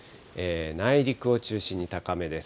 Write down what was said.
内陸を中心に高めです。